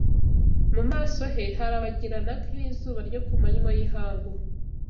Mu maso he harabagirana nk’izuba ryo ku manywa y’ihangu